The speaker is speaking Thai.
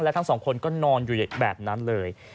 และทั้งสองคนก็นอนอยู่แบบนั้นเลย